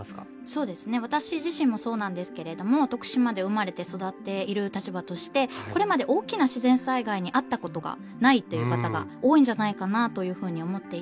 そうですね私自身もそうなんですけれども徳島で生まれて育っている立場としてこれまで大きな自然災害に遭ったことがないという方が多いんじゃないかなというふうに思っていて。